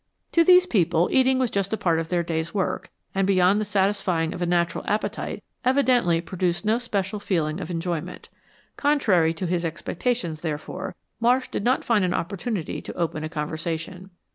To these people eating was just a part of their day's work, and beyond the satisfying of a natural appetite, evidently produced no special feeling of enjoyment. Contrary to his expectations, therefore, Marsh did not find an opportunity to open a conversation.